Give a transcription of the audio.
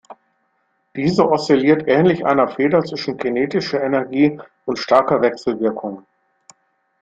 Diese oszilliert ähnlich einer Feder zwischen kinetischer Energie und starker Wechselwirkung.